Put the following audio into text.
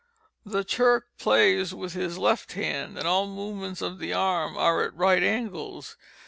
The Turk plays with his left hand. All the movements of the arm are at right angles.